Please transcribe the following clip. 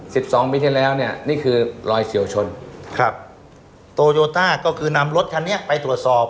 สิบสองปีที่แล้วเนี่ยนี่คือรอยเฉียวชนครับโตโยต้าก็คือนำรถคันนี้ไปตรวจสอบ